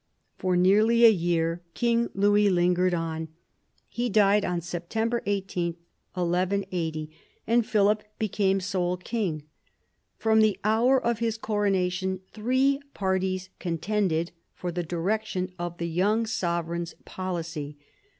For nearly a year King Louis 22 PHILIP AUGUSTUS chap. lingered on. He died on September 18, 1180, and Philip became sole king. From the hour of his coronation three parties contended for the direction of the young sovereign's policy.